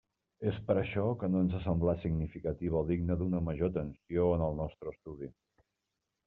És per això que no ens ha semblat significativa o digna d'una major atenció en el nostre estudi.